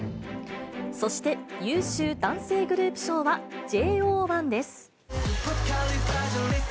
そして優秀男性グループ賞は、ＪＯ１です。